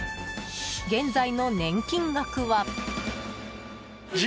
現在の年金額は。